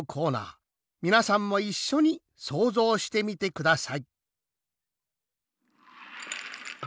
みなさんもいっしょに想像してみてください。